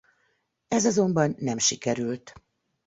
Ez azonban nem sikerült.